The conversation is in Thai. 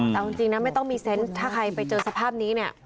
แต่เอาจริงนะไม่ต้องมีเซนต์ถ้าใครไปเจอสภาพนี้เนี่ย